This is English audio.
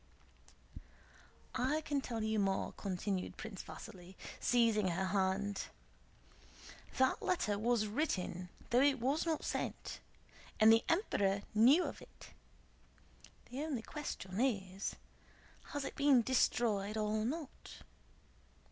"I can tell you more," continued Prince Vasíli, seizing her hand, "that letter was written, though it was not sent, and the Emperor knew of it. The only question is, has it been destroyed or not?